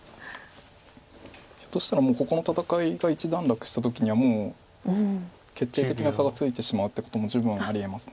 ひょっとしたらここの戦いが一段落した時にはもう決定的な差がついてしまうっていうことも十分ありえます